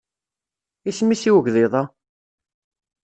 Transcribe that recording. Isem-is i ugḍiḍ-a?